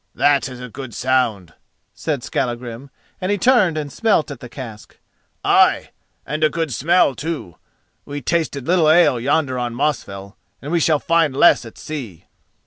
"That is a good sound," said Skallagrim, and he turned and smelt at the cask; "aye, and a good smell, too! We tasted little ale yonder on Mosfell, and we shall find less at sea."